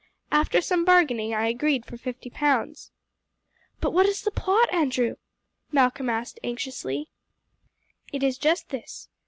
After some bargaining I agreed for fifty pounds." "But what is the plot, Andrew?" Malcolm said anxiously. "It is just this.